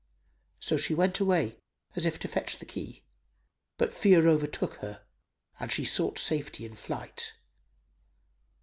So she went away, as if to fetch the key; but fear overtook her and she sought safety in flight.